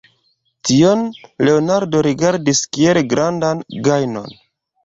Tion Leonardo rigardis kiel grandan gajnon.